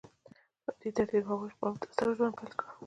په همدې ترتیب هغوی خپل متصرف ژوند پیل کړ.